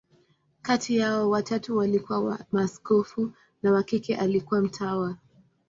Kati yao, watatu walikuwa maaskofu, na wa kike alikuwa mtawa.